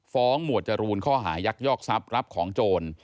หมวดจรูนข้อหายักยอกทรัพย์รับของโจร